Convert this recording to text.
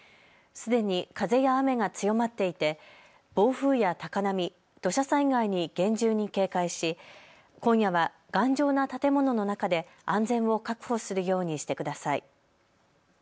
すでに風や雨が強まっていて暴風や高波、土砂災害に厳重に警戒し今夜は頑丈な建物の中で安全を確保するようにしてください。